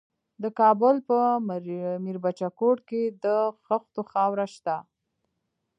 د کابل په میربچه کوټ کې د خښتو خاوره شته.